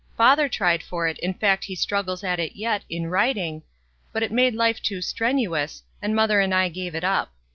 Father tried for it, m fact he struggles at it yet, in writmg, but it made life too strenuous, and mother and I gave it up.